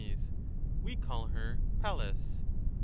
We call her Pallas.